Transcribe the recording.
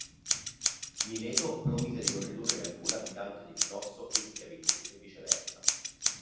Mileto promise di non ridurre alcun abitante di Cnosso in schiavitù, e viceversa.